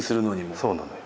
そうなのよ。